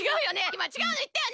いまちがうのいったよね？